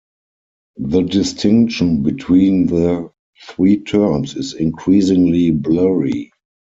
The distinction between the three terms is increasingly blurry.